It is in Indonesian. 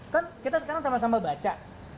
kan kita sekarang sama sama baca